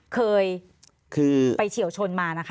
เคยคือไปเฉียวชนมานะคะ